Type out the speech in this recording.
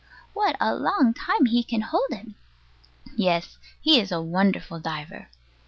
What a long time he can hold it. Yes. He is a wonderful diver.